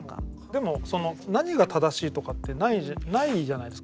でもその何が正しいとかってないじゃないですか。